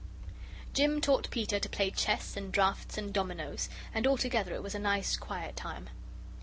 Jim taught Peter to play chess and draughts and dominoes, and altogether it was a nice quiet time.